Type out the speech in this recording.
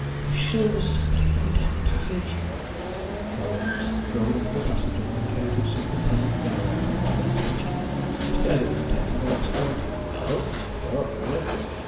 "Hush, sir, there's somebody coming down the passage." Colwyn strolled into the passage and encountered Superintendent Galloway coming towards the kitchen. He stared at the detective and exclaimed: "Hello, you're up early."